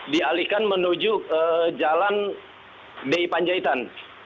dialihkan menuju jalan d i panjaitan